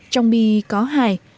trong bi có hài